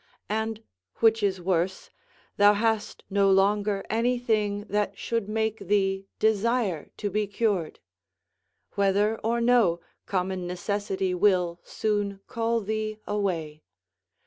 And, which is worse, thou hast no longer anything that should make thee desire to be cured. Whether or no, common necessity will soon call thee away.